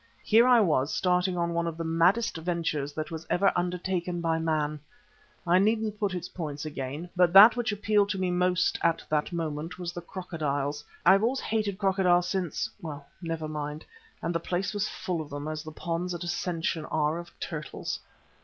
Here I was starting on one of the maddest ventures that was ever undertaken by man. I needn't put its points again, but that which appealed to me most at the moment was the crocodiles. I have always hated crocodiles since well, never mind and the place was as full of them as the ponds at Ascension are of turtles.